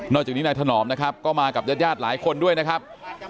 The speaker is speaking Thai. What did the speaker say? จากนี้นายถนอมนะครับก็มากับญาติญาติหลายคนด้วยนะครับ